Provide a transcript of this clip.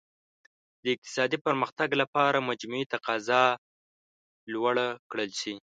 د اقتصادي پرمختګ لپاره مجموعي تقاضا لوړه کړل شي.